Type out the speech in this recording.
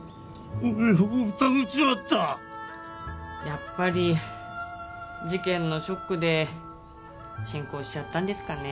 やっぱり事件のショックで進行しちゃったんですかね。